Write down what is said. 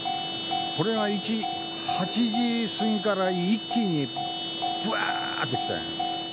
これが８時過ぎから一気にぶわーって来たんや。